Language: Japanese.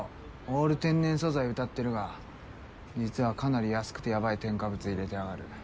オール天然素材をうたってるが実はかなり安くてヤバい添加物入れてやがる。